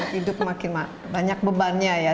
hidup makin banyak bebannya ya